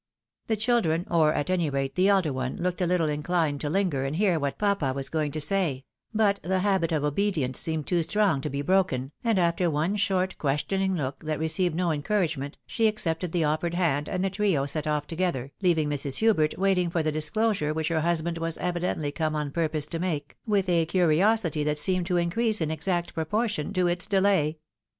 The children, or at any rate, the elder one, looked a little inclined to linger and hear what papa was going to say ; but the habit of obedience seemed too strong to be broken, and after one short questioning look that received no encourage ment, she accepted the offered hand and the trio set off together, leaving Mrs. Hubert waiting for the disclosure which her husband was evidently come on purpose to make, with a curiosity that seemed to increase in exact proportion to its delay.